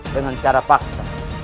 dengan cara fakta